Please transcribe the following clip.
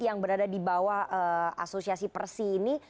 yang berada di bawah asosiasi persi ini